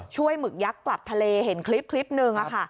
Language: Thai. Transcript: หมึกยักษ์กลับทะเลเห็นคลิปหนึ่ง